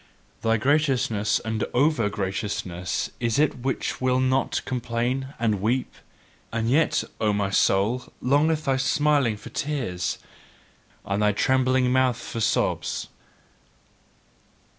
Thy graciousness and over graciousness, is it which will not complain and weep: and yet, O my soul, longeth thy smiling for tears, and thy trembling mouth for sobs.